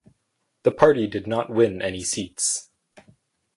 The party did not win any seats.